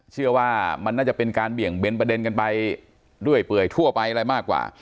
เชื่อว่ามันน่าจะเป็นการเบี่ยงเบนประเด็นกันไปด้วยเปื่อยทั่วไปอะไรมากกว่า